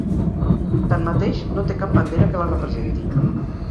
Tanmateix, no té cap bandera que la representi.